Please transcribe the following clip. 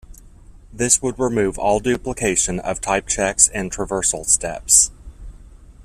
This would remove all duplication of type checks and traversal steps.